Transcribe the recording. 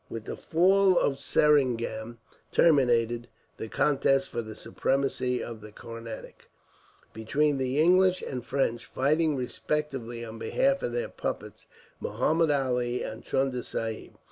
With the fall of Seringam terminated the contest for the supremacy of the Carnatic, between the English and French, fighting respectively on behalf of their puppets, Muhammud Ali and Chunda Sahib.